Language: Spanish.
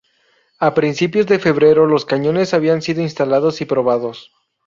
A principios de febrero los cañones habían sido instalados y probados.